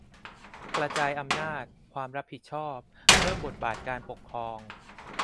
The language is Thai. กระจายอำนาจ ความรับผิดชอบ เพิ่มบทบาทการปกครอง